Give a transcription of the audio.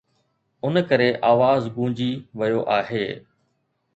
ان ڪري آواز گونجي ويو آهي.